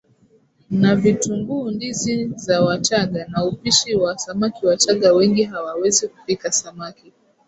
na vitunguuNdizi za Wachagga na upishi wa samaki Wachaga wengi hawawezi kupika samaki